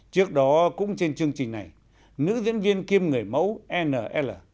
trước đó cũng trên chương trình này nữ diễn viên kim người mẫu nl